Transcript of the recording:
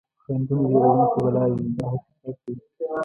خنډونه وېروونکي بلاوې دي دا حقیقت دی.